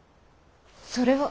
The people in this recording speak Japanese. それは。